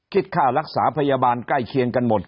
คิดค่ารักษาพยาบาลใกล้เคียงกันหมด